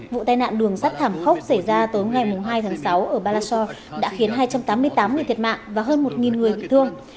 vụ tai nạn đường sắt thảm khốc xảy ra tối ngày hai tháng sáu ở palasore đã khiến hai trăm tám mươi tám người thiệt mạng và hơn một người bị thương